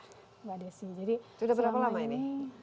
itu sudah berapa lama ini